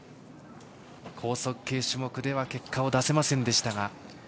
高速系種目では結果を出せませんでしたが。